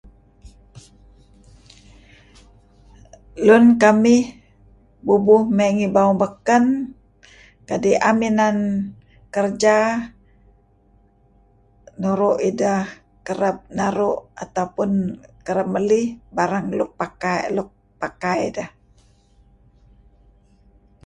Lun kamih bubuh may ngi bawang baken kadi' am inan kerja nuru' ideh kereb naru' atau pun kereb melih barang luk pakai luk pakai deh.